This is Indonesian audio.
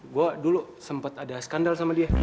gue dulu sempat ada skandal sama dia